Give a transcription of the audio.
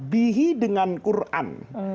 bihi dengan al quran